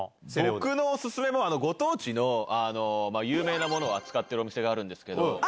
僕のお勧めはご当地の有名なものを扱ってるお店があるんですけど。